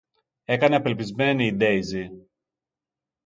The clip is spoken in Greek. έκανε απελπισμένη η Ντέιζη